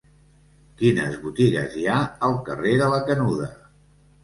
Quines botigues hi ha al carrer de la Canuda?